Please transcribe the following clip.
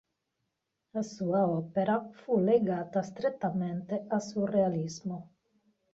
La sua opera fu legata strettamente al surrealismo.